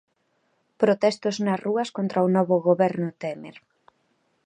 Protestos nas rúas contra o novo goberno Temer.